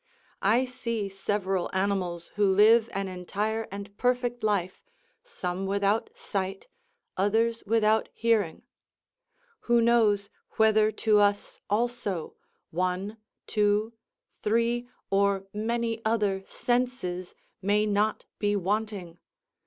I see several animals who live an entire and perfect life, some without sight, others without hearing; who knows whether to us also one, two, three, or many other senses may not be wanting?